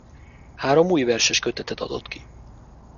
Három új verseskötetet adott ki.